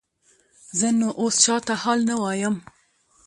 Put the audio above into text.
زه نو اوس چاته حال نه وایم.